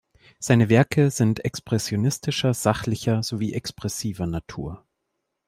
Seine Werke sind expressionistischer, sachlicher sowie expressiver Natur.